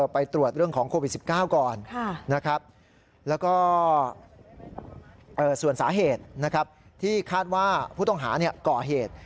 ไปตรวจเรื่องของโควิด๑๙ก่อนนะครับแล้วก็ส่วนสาเหตุที่คาดว่าผู้ต้องหาก่อเหตุ